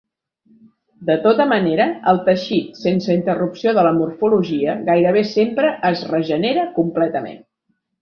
De tota manera, el teixit sense interrupció de la morfologia gairebé sempre es regenera completament.